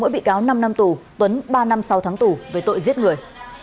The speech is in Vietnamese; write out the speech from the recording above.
mỗi bị cáo năm năm tù tuấn ba năm sau thắng tù về tội giết người